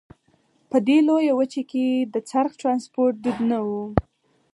په دې لویه وچه کې د څرخ ټرانسپورت دود نه وو.